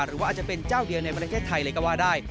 หรือว่าอาจจะเป็นเจ้าเดียวในประเทศไทยเลยก็ว่าได้